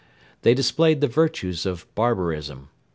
They displayed the virtues of barbarism.